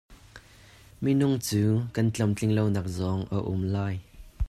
Minung cu kan tlamtling lonak zong a um lai.